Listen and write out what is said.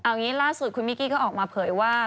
เอางี้ล่าสุดคุณมิกกี้ก็ออกมาเผยว่า